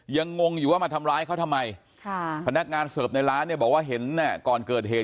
งงอยู่ว่ามาทำร้ายเขาทำไมพนักงานเสิร์ฟในร้านเนี่ยบอกว่าเห็นก่อนเกิดเหตุ